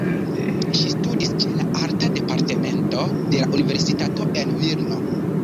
Ŝi studis ĉe la Arta Departemento de la Universitato en Vilno.